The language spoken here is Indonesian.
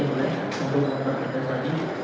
untuk nomor penerbangan tadi